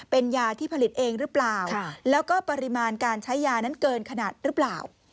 เป็นยาที่ผลิตเองหรือเปล่าแล้วก็ปริมาณการใช้ยานั้นเกินขนาดหรือเปล่า